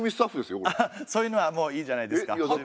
そういうのはもういいじゃないですか。